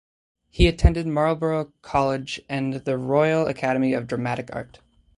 He attended Marlborough College and the Royal Academy of Dramatic Art.